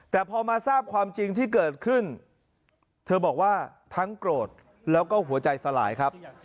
แต่พอมาทราบความจริงที่เกิดขึ้นเธอบอกว่าทั้งโกรธแล้วก็หัวใจสลายครับ